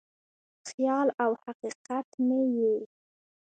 خیال او حقیقت مې یې